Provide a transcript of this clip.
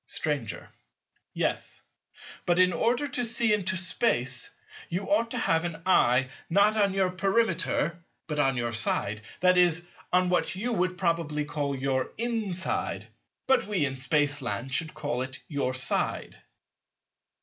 Stranger. Yes: but in order to see into Space you ought to have an eye, not on your Perimeter, but on your side, that is, on what you would probably call your inside; but we in Spaceland should call it your side.